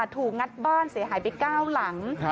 ถูกงัดบ้านเสียหายไปก้าวหลัง